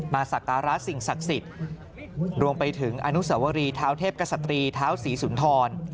สักการะสิ่งศักดิ์สิทธิ์รวมไปถึงอนุสวรีเท้าเทพกษัตรีท้าวศรีสุนทร